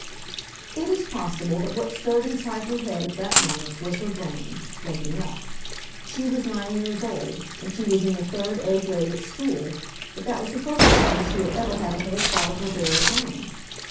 It is possible that what stirred inside her head at that moment was her brain, waking up. She was nine years old, and she was in the third A grade at school, but that was the first time she had ever had a whole thought of her very own.